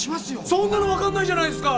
そんなの分かんないじゃないですか！